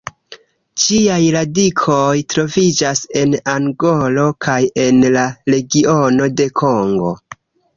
Ĝiaj radikoj troviĝas en Angolo kaj en la regiono de Kongo.